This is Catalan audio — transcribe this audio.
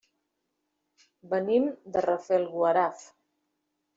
Venim de Rafelguaraf.